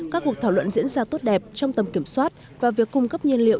các cuộc thảo luận diễn ra tốt đẹp trong tầm kiểm soát và việc cung cấp nhiên liệu